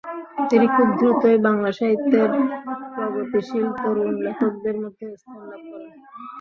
তিনি খুব দ্রুতই বাংলা সাহিত্যের প্রগতিশীল তরুণ লেখকদের মধ্যে স্থান লাভ করেন।